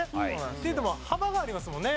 っていっても幅がありますもんね。